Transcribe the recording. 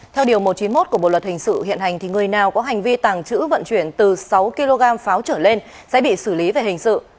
theo điều một trăm chín mươi một của bộ luật hình sự hiện hành thì người nào có hành vi tàng trữ vận chuyển từ sáu kg pháo trở lên sẽ bị xử lý về hình sự